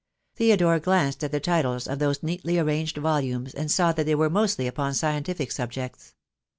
Theodore glanced at the titles of those neatly arranged volumes and saw that they were mostly upon scientific subjects.